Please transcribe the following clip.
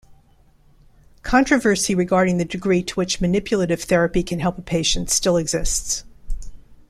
Controversy regarding the degree to which manipulative therapy can help a patient still exists.